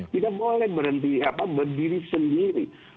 tidak boleh berhenti berdiri sendiri